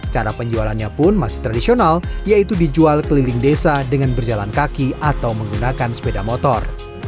cara penjualannya pun masih tradisional yaitu dijual keliling desa dengan berjalan kaki atau menggunakan sepeda motor